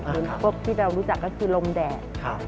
พวกที่เรารู้จักก็คือลมแดด